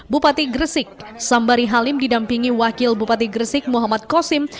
bupati gresik sambari halim didampingi wakil bupati gresik muhammad kosim